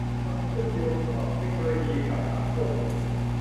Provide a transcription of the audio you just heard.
ความเชื่อมโยงของเทคโนโลยีกับสังคม